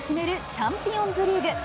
チャンピオンズリーグ。